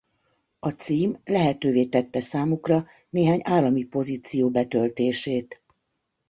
A cím lehetővé tette számukra néhány állami pozíció betöltését.